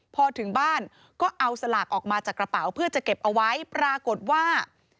พอถึงบ้านก็เอาสลากออกมาจากกระเป๋าเพื่อจะเก็บเอาไว้ปรากฏว่า